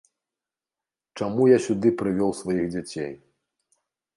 Чаму я сюды прывёў сваіх дзяцей?